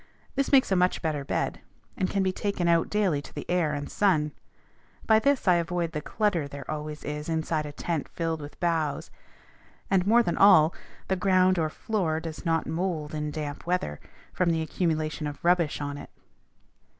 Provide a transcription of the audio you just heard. This makes a much better bed, and can be taken out daily to the air and sun. By this I avoid the clutter there always is inside a tent filled with boughs; and, more than all, the ground or floor does not mould in damp weather, from the accumulation of rubbish on it.